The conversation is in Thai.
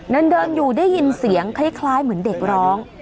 เดินอยู่ได้ยินเสียงคล้ายเหมือนเด็กร้อง